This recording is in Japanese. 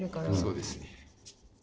そうですね。